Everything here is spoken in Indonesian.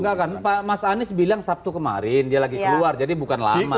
enggak kan mas anies bilang sabtu kemarin dia lagi keluar jadi bukan lama